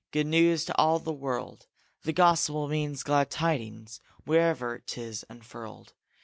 Good news to all the world! The gospel means glad tidings Wherever 'tis unfurled.